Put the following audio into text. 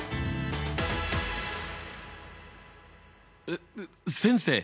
えっ先生